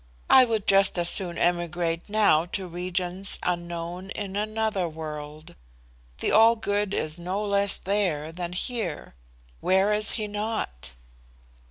I would just as soon emigrate now to regions unknown, in another world. The All Good is no less there than here. Where is he not?"